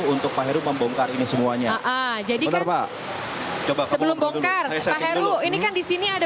untuk pak heru membongkar ini semuanya jadi terbakar sebelum bongkar ini kan di sini ada